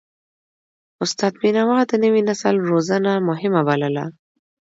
استاد بینوا د نوي نسل روزنه مهمه بلله.